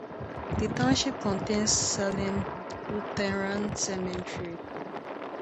The township contains Salem Lutheran Cemetery.